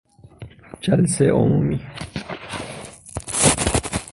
جلسه عمومی